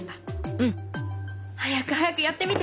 うん。早く早くやってみて！